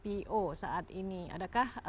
po saat ini adakah